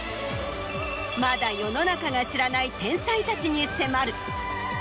まだ世の中が知らない天才たちに迫る。